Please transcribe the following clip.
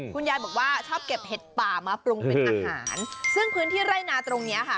คุณยายบอกว่าชอบเก็บเห็ดป่ามาปรุงเป็นอาหารซึ่งพื้นที่ไร่นาตรงเนี้ยค่ะ